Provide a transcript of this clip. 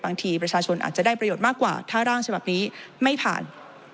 บางทีประชาชนอาจจะได้ประโยชน์มากกว่าถ้าร่างฉบับนี้ไม่ผ่าน